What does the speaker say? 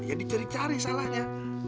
ya dicari cari salahnya